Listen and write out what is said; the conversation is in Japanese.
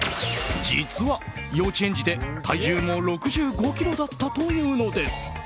実は幼稚園児で、体重も６５ｋｇだったというのです。